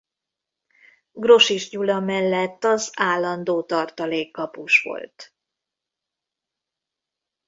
Grosics Gyula mellett az állandó tartalék kapus volt.